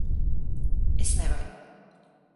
Es nevaru.